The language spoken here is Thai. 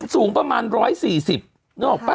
สูงประมาณ๑๔๐นึกออกป่ะ